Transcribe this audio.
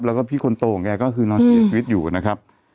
แล้วก็พี่คนโตของแกก็คือนอนเสียชีวิตอยู่นะครับ